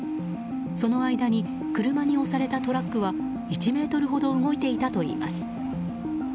その間に車に押されたトラックは１ｍほど動いていたといいます。